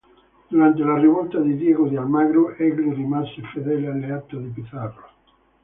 Durante la rivolta di Diego de Almagro egli rimase fedele alleato di Pizarro.